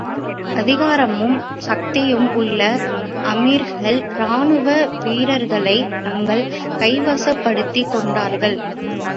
அதிகாரமும் சக்தியும் உள்ள அமீர்கள் ராணுவ வீரர்களைத் தங்கள் கைவசப் படுத்திக் கொண்டார்கள்.